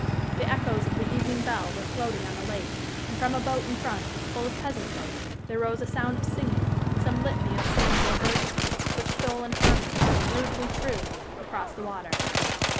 The echoes of the evening bell were floating on the lake, and from a boat in front, full of peasant folk, there rose a sound of singing, some litany of saint or virgin, which stole in harmonies, rudely true, across the water.